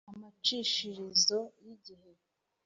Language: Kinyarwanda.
Amacishirizo y igihe